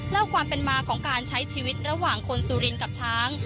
เล่าความเป็นมาของการใช้ชีวิตระหว่างคนสุรินกับช้าง